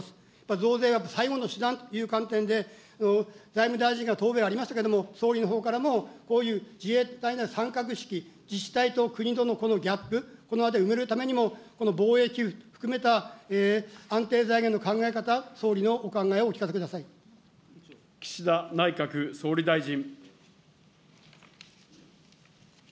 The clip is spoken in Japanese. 増税はやっぱり最後の手段という観点で、財務大臣が答弁ありましたけども、総理のほうからも、こういう自衛隊の参画意識、自治体と国とのこのギャップ、これを埋めるためにも防衛寄付という、安定財源の考え方、岸田内閣総理大臣。